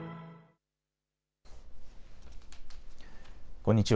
こんにちは。